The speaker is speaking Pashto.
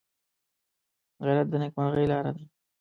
غیرت د نیکمرغۍ لاره ده